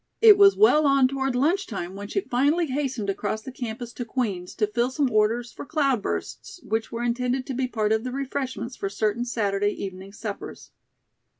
It was well on toward lunch time when she finally hastened across the campus to Queen's to fill some orders for "cloud bursts," which were intended to be part of the refreshments for certain Saturday evening suppers.